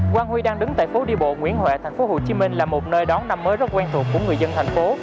quang huy đang đứng tại phố đi bộ nguyễn huệ tp hcm là một nơi đón năm mới rất quen thuộc của người dân thành phố